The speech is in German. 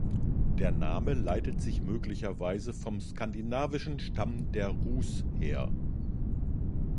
Der Name leitet sich möglicherweise vom skandinavischen Stamm der "Rus" her.